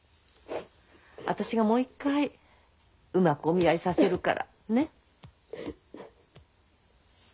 私がもう一回うまくお見合いさせるから。ね。